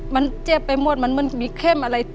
มันเจ็บไปหมดมันเหมือนมีเข้มอะไร